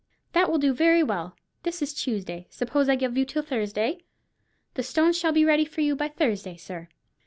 "That will do very well. This is Tuesday; suppose I give you till Thursday?" "The stones shall be ready for you by Thursday, sir."